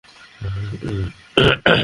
এখান থেকে তোকে বের করবোই!